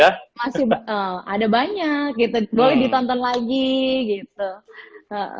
masih ada banyak gitu boleh ditonton lagi gitu